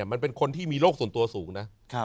มันเป็นคนที่มีโรคส่วนตัวสูงนะ